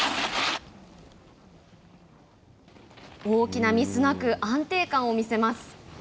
大きなミスなく安定感を見せます。